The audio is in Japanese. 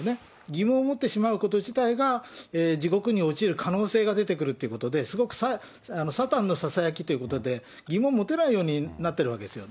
疑問を持ってしまうこと自体が、地獄におちる可能性が出てくるということで、すごくサタンのささやきということで、疑問持てないようになってるわけですよ。